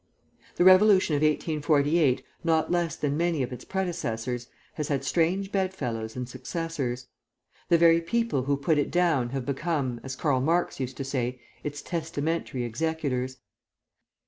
"The Revolution of 1848, not less than many of its predecessors, has had strange bedfellows and successors. The very people who put it down have become, as Karl Marx used to say, its testamentary executors.